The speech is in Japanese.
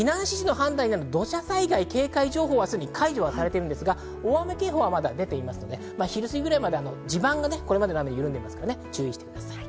避難指示の判断、土砂災害警戒情報はすでに解除はされてるんですが、大雨警報はまだ出ていますので、昼すぎまでは地盤がこれまでの雨で緩んでまいすから注意してください。